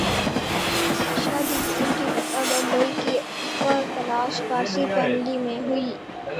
شادی بھی ان کی بمبئی کی اپر کلاس پارسی فیملی میں ہوئی۔